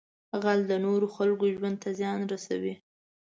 غل د نورو خلکو ژوند ته زیان رسوي